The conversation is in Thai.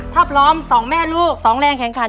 พร้อมพร้อมส่องแม่ลูกส่องแรงแข่งขัน